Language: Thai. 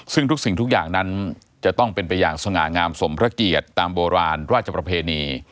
ซึ่งทุกสิ่งทุกอย่างนั้นจะต้องเป็นไปอย่างสง่างามสมพระเกียรติตามโบราณราชประเพณี